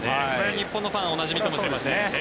日本ファンおなじみかもしれません。